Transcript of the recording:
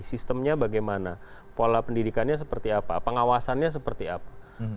sistemnya bagaimana pola pendidikannya seperti apa pengawasannya seperti apa